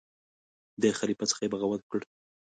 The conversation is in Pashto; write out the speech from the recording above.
د خلیفه څخه یې بغاوت وکړ.